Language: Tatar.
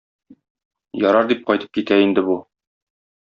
Ярар, дип кайтып китә инде бу.